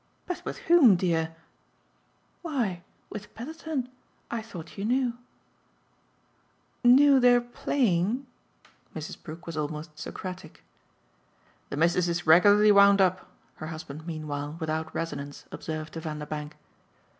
"But with whom, dear?" "Why, with Petherton. I thought you knew." "Knew they're playing ?" Mrs. Brook was almost Socratic. "The Missus is regularly wound up," her husband meanwhile, without resonance, observed to Vanderbank.